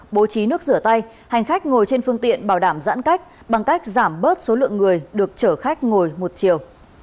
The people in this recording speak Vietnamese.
bố trí nước rửa tay hành khách ngồi trên phương tiện bảo đảm giãn cách bằng cách giảm bớt số lượng người được chở khách ngồi một chiều